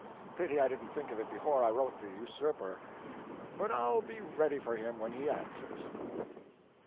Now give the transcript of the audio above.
Pity I didn't think of it before I wrote the usurper. But I'll be ready for him when he answers."